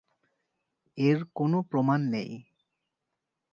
এর কোন প্রমাণ নেই।